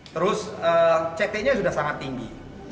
terus ct nya sudah sangat tinggi